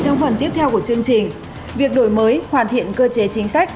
trong phần tiếp theo của chương trình việc đổi mới hoàn thiện cơ chế chính sách